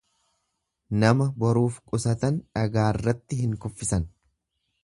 Nama boruuf qusatan dhagaarratti hin kuffisan.